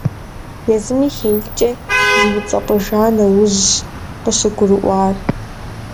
Езыми хеилъкӀэ зиуцӀэпӀыжа нэужьщ къыщыгурыӀуар.